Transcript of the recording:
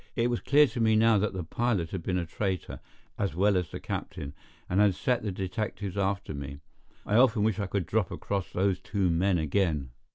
It was clear to me now that the pilot had been a traitor, as well as the captain, and had set the detectives after me. I often wish I could drop across those two men again.